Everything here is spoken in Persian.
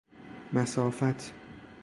مسافت